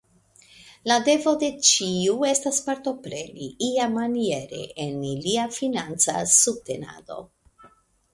La devo de ĉiu estas partopreni, iamaniere, en ilia financa subtenado.